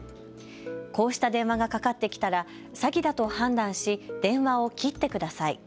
こうした電話がかかってきたら詐欺だと判断し電話を切ってください。